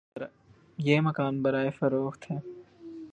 یہ مکان برائے فروخت ہے